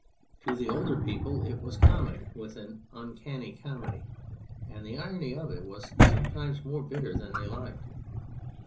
To the older people it was comic, with an uncanny comedy, and the irony of it was sometimes more bitter than they liked.